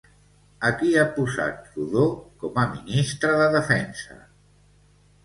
A qui ha posat Trudeau com a ministre de Defensa?